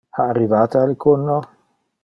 Ha arrivate alicuno?